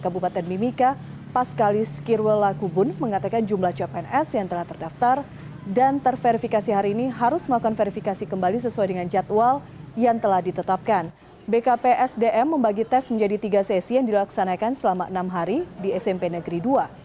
bkpsdm membagi tes menjadi tiga sesi yang dilaksanakan selama enam hari di smp negeri dua